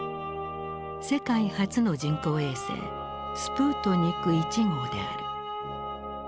世界初の人工衛星スプートニク１号である。